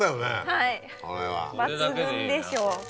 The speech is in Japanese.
はい抜群でしょ。